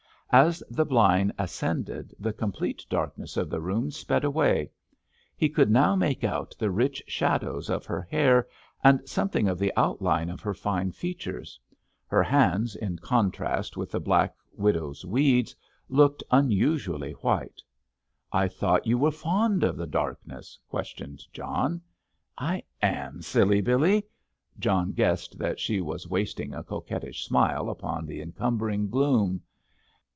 As the blind ascended the complete darkness of the room sped away. He could now make out the rich shadows of her hair, and something of the outline of her fine features. Her hands in contrast with the black widow's weeds, looked unusually white. "I thought you were fond of the darkness?" questioned John. "I am, silly Billy." John guessed that she was wasting a coquettish smile upon the encumbering gloom.